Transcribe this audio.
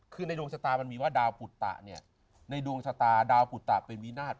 คือในดวงชะตามันมีว่าดาวปุตตะเนี่ยในดวงชะตาดาวปุตตะเป็นวินาศ